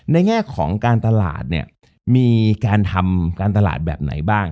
แง่ของการตลาดเนี่ยมีการทำการตลาดแบบไหนบ้าง